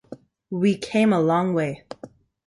We came a long way.